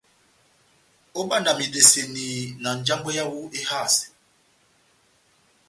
Óbandamasidɛni na njambwɛ yáwu éhásɛ.